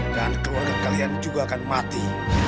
dan keluarga kalian juga akan mati